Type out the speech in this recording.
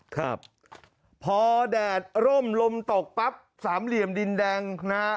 ครับพอแดดร่มลมตกปั๊บสามเหลี่ยมดินแดงนะฮะ